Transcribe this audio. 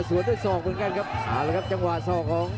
สวนด้วก็ด้วยศอกกัน